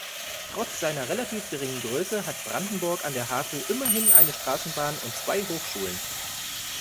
Trotz seiner relativ geringen Größe hat Brandenburg an der Havel immerhin eine Straßenbahn und zwei Hochschulen.